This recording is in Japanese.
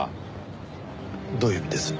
どういう意味です？